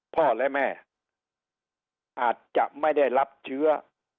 พ่อและแม่อาจจะไม่ได้รับเชื้อ